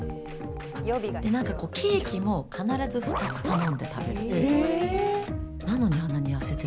で、なんかこうケーキも必ず２つ頼んで食べるっていう。